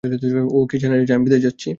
ও কি জানে না যে, আমি বিদেশ যাচ্ছি?